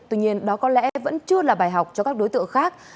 tuy nhiên đó có lẽ vẫn chưa là bài học cho các đối tượng khác